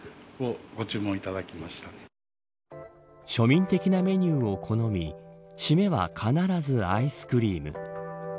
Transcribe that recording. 庶民的なメニューを好み締めは必ずアイスクリーム。